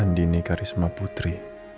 andi ini karisma putri